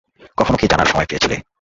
কখনও কি জানার সময় পেয়েছিলে?